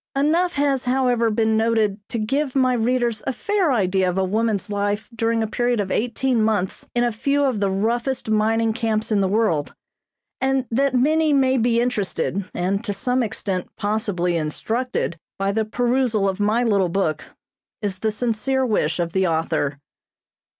Enough has, however, been noted to give my readers a fair idea of a woman's life during a period of eighteen months in a few of the roughest mining camps in the world; and that many may be interested, and to some extent possibly instructed by the perusal of my little book, is the sincere wish of the author.